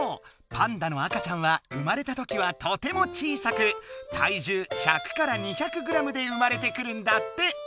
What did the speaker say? パンダの赤ちゃんは生まれたときはとても小さく体重１００から２００ｇで生まれてくるんだって！